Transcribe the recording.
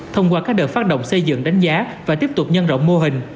thông qua các đợt phát động xây dựng đánh giá và tiếp tục nhân rộng mô hình